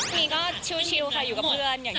ปีก็ชิวค่ะอยู่กับเพื่อน